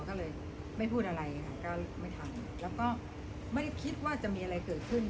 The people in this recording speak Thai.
ก็เลยไม่พูดอะไรค่ะก็ไม่ทำแล้วก็ไม่ได้คิดว่าจะมีอะไรเกิดขึ้น